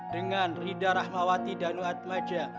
dengan rida rahmawati danuatmaja